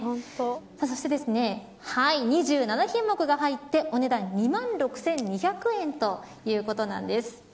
そして、２７品目が入ってお値段２万６２００円ということなんです。